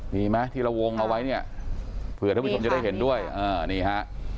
มีไหมที่เราวงเอาไว้เนี่ยเผื่อท่านผู้ชมจะได้เห็นด้วยอ่านี่ฮะ